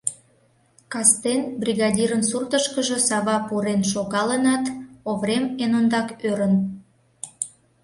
Кастен бригадирын суртышкыжо Сава пурен шогалынат, Оврем эн ондак ӧрын.